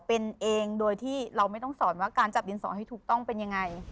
เป็นเองโดยที่เราไม่ต้องสอนว่าการจับดินสอนให้ถูกต้องเป็นยังไง